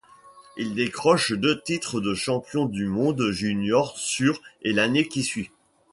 Il décroche deux titres de champion du monde junior sur et l'année qui suit.